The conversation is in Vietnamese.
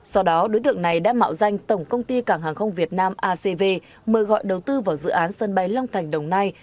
sau đó đối tượng này đã mạo danh tổng công ty cảng hàng không việt nam acv mời gọi đầu tư vào dự án sân bay long thành đồng nai